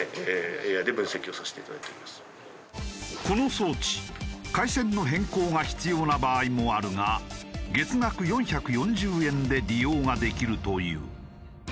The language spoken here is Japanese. この装置回線の変更が必要な場合もあるが月額４４０円で利用ができるという。